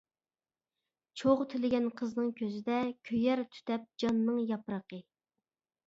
چوغ تىلىگەن قىزنىڭ كۆزىدە، كۆيەر تۈتەپ جاننىڭ ياپرىقى.